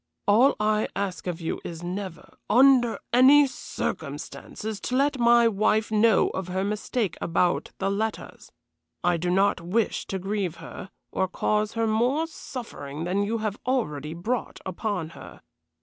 All I ask of you is never, under any circumstances, to let my wife know of her mistake about the letters. I do not wish to grieve her, or cause her more suffering than you have already brought upon her.